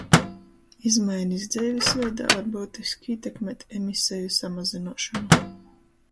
Izmainis dzeivis veidā var byutiski ītekmēt emiseju samazynuošonu.